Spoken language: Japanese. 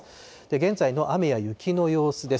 現在の雨や雪の様子です。